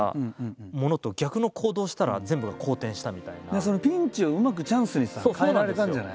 だからピンチをうまくチャンスにさ変えられたんじゃない？